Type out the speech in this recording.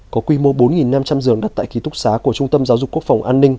có quy mô bốn năm trăm linh giường đất tại ký túc xá của trung tâm giáo dục quốc phòng an ninh